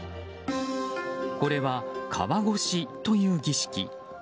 これは川越しという儀式。